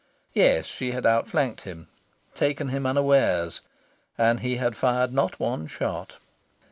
Yes, she had outflanked him, taken him unawares, and he had fired not one shot.